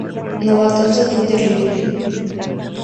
La matanza fue terrible.